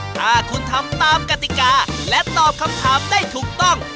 ถ้าคุณทำตามกติกาและตอบคำถามได้ถูกต้อง